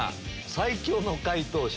最強の解答者